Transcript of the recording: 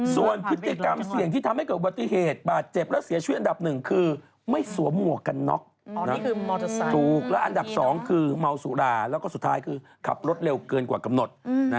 ส่วนพฤติกรรมเสี่ยงที่ทำให้เกิดอุบัติเหตุบาดเจ็บและเสียชีวิตอันดับหนึ่งคือไม่สวมหมวกกันน็อกนี่คือมอเตอร์ไซค์ถูกแล้วอันดับ๒คือเมาสุราแล้วก็สุดท้ายคือขับรถเร็วเกินกว่ากำหนด